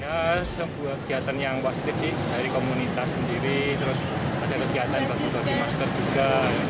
ya sebuah kegiatan yang wasit dari komunitas sendiri terus ada kegiatan protokol di masker juga